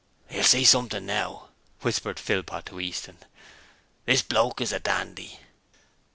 'You'll see something now,' whispered Philpot to Easton. 'This bloke is a dandy!'